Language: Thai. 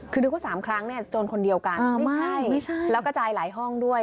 คือนึกว่าสามครั้งโจรคนเดียวกันไม่ใช่แล้วก็จ่ายหลายห้องด้วย